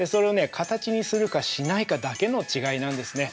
形にするかしないかだけの違いなんですね。